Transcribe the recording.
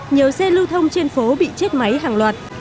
nhiều xe lưu thông trên phố bị chết máy hàng loạt